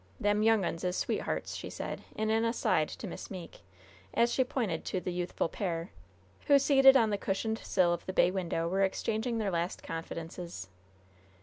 "Them young uns is sweethearts," she said, in an aside to Miss Meeke, as she pointed to the youthful pair, who, seated on the cushioned sill of the bay window, were exchanging their last confidences.